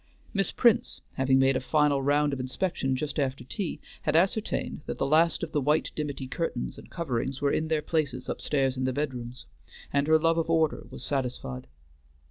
Miss Prince, having made a final round of inspection just after tea, had ascertained that the last of the white dimity curtains and coverings were in their places upstairs in the bedrooms, and her love of order was satisfied.